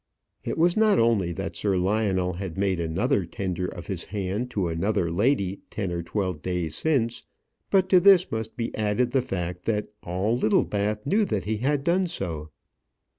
It was not only that Sir Lionel had made another tender of his hand to another lady ten or twelve days since, but to this must be added the fact that all Littlebath knew that he had done so.